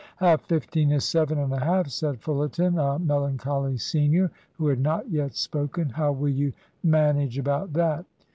"Half fifteen is seven and a half," said Fullerton, a melancholy senior who had not yet spoken; "how will you manage about that?"